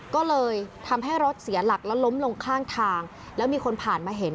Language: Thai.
ก็เลยทำให้รถเสียหลักแล้วล้มลงข้างทางแล้วมีคนผ่านมาเห็น